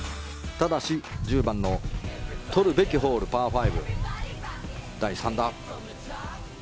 ただし１０番の取るべきホールパー５の第３打。